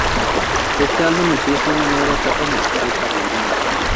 Este álbum empieza una nueva etapa musical para la banda.